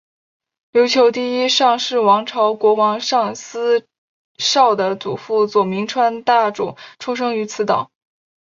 琉球第一尚氏王朝国王尚思绍的祖父佐铭川大主出生于此岛。